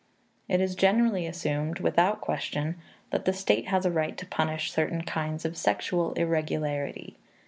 It is generally assumed without question that the state has a right to punish certain kinds of sexual irregularity.